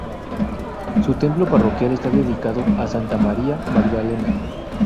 Su templo parroquial está dedicado a Santa María Magdalena.